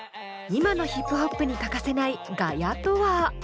今のヒップホップに欠かせない「ガヤ」とは？